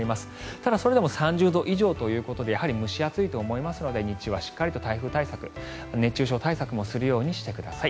ただ、それでも３０度以上ということで蒸し暑いということで日中はしっかりと台風対策、熱中症対策もするようにしてください。